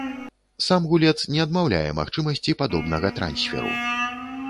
Сам гулец не адмаўляе магчымасці падобнага трансферу.